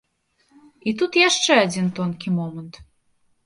І тут яшчэ адзін тонкі момант.